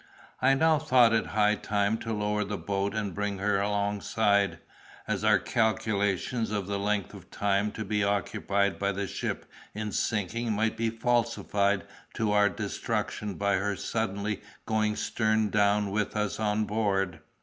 I now thought it high time to lower the boat and bring her alongside, as our calculation of the length of time to be occupied by the ship in sinking might be falsified to our destruction by her suddenly going stern down with us on board.